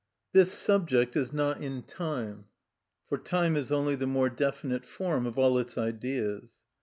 This subject is not in time, for time is only the more definite form of all its ideas.